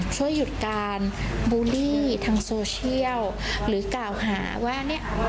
ช่วยหยุดการบูลลี่ทางโซเชียลหรือกล่าวหาว่าเนี่ย